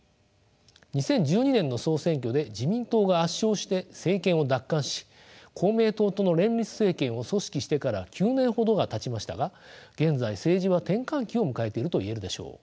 ２０１２年の総選挙で自民党が圧勝して政権を奪還し公明党との連立政権を組織してから９年ほどがたちましたが現在政治は転換期を迎えているといえるでしょう。